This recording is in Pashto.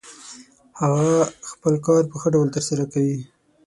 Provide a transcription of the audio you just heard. هغه خپل کار په ښه ډول ترسره کړ.